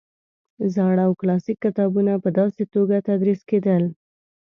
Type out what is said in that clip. زاړه او کلاسیک کتابونه په داسې توګه تدریس کېدل.